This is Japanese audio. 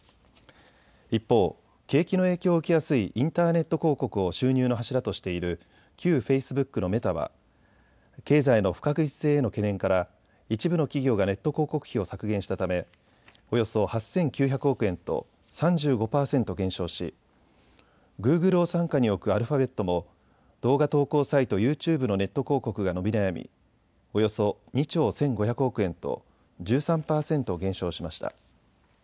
一方、景気の影響を受けやすいインターネット広告を収入の柱としている旧フェイスブックのメタは、経済の不確実性への懸念から一部の企業がネット広告費を削減したためおよそ８９００億円と３５％減少し、グーグルを傘下に置くアルファベットも動画投稿サイト、ユーチューブのネット広告が伸び悩みおよそ２兆１５００億円と１３％減少しました。